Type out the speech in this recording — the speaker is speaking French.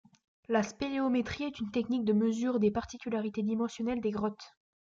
La spéléométrie est une technique de mesure des particularités dimensionnelles des grottes.